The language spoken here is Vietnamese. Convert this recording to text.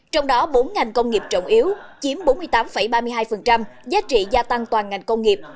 trong đó bốn ngành công nghiệp trọng yếu chiếm bốn mươi tám ba mươi hai giá trị gia tăng toàn ngành công nghiệp